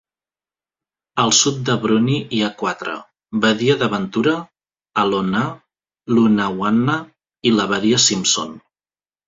Al sud de Bruny hi ha quatre: badia d'aventura, Alonnah, Lunawanna i la badia Simpson.